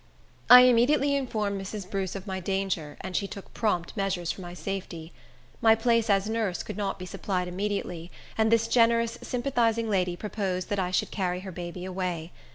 I immediately informed Mrs. Bruce of my danger, and she took prompt measures for my safety. My place as nurse could not be supplied immediately, and this generous, sympathizing lady proposed that I should carry her baby away.